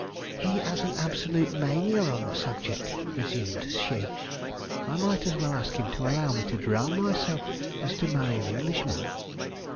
"He has an absolute mania on the subject," resumed she. "I might as well ask him to allow me to drown myself as to marry an Englishman."